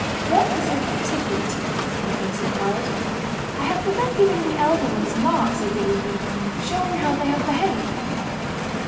"What is a 'ticket'?" Nicholas inquired. "I have begun giving the elder ones marks every evening, showing how they have behaved."